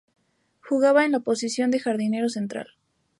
Jugaba en la posición de jardinero central.